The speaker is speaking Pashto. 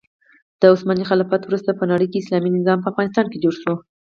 د عثماني خلافت وروسته په نړۍکې اسلامي نظام په افغانستان کې جوړ شو.